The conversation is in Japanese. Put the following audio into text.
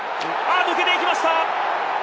抜けていきました！